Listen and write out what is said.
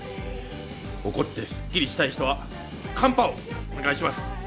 怒ってすっきりしたい人はカンパをお願いします！